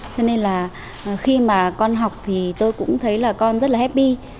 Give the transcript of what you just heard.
cho nên là khi mà con học thì tôi cũng thấy là con rất là happy